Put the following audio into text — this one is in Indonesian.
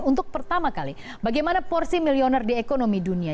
untuk pertama kali bagaimana porsi milioner di ekonomi dunia